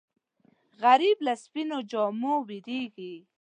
غریب له سپینو جامو وېرېږي